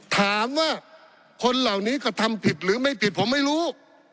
ถามว่าคนเหล่านี้กระทำผิดหรือไม่ผิดผมไม่รู้